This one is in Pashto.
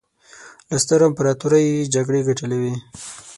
له سترو امپراطوریو یې جګړې ګټلې وې.